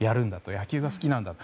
野球が好きなんだと。